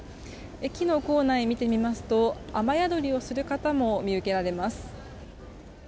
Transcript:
駅の構内を見てみますと雨宿りをする方も見受けられます。